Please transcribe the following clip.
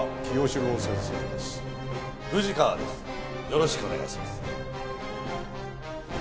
よろしくお願いします。